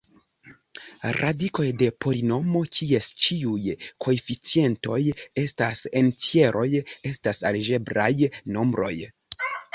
Radikoj de polinomo, kies ĉiuj koeficientoj estas entjeroj, estas algebraj nombroj.